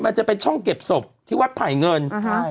มันจะเป็นช่องเก็บศพที่วัดไผ่เงิน